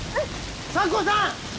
房子さん！